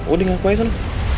udah ngaku aja sana